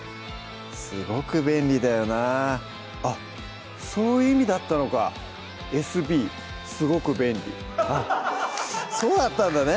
すごく便利だよなあっそういう意味だったのかあっそうだったんだね